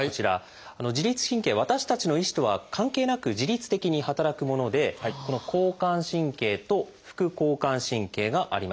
自律神経私たちの意思とは関係なく自律的に働くものでこの交感神経と副交感神経があります。